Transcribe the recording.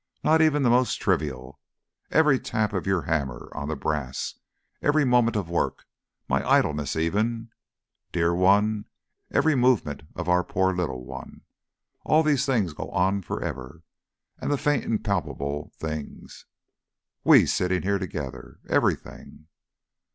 Not even the most trivial. Every tap of your hammer on the brass, every moment of work, my idleness even ... Dear one! every movement of our poor little one ... All these things go on for ever. And the faint impalpable things. We, sitting here together. Everything